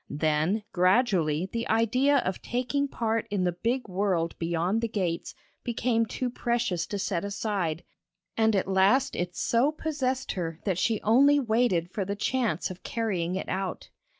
Then gradually the idea of taking part in the big world beyond the gates became too precious to set aside, and at last it so possessed her, that she only waited for the chance of carrying it out.